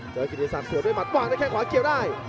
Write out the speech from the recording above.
เจอกิติศักดิ์เสือกด้วยมันวางด้วยแค่งขวาเขียวได้